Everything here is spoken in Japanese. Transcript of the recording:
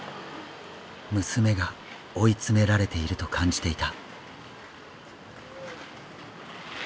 娘が追い詰められていると感じていた。